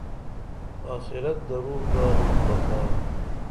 آخرت درو دارالبقا